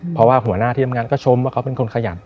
เพราะว่าหัวหน้าทีมงานก็ชมว่าเขาเป็นคนขยัน